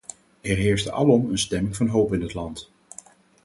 Er heerste alom een stemming van hoop in het land.